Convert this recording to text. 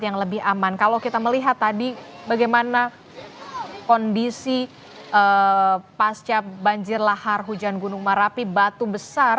yang lebih aman kalau kita melihat tadi bagaimana kondisi pasca banjir lahar hujan gunung merapi batu besar